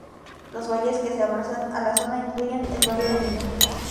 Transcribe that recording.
Los valles que se abren a la zona incluyen el valle de Linda.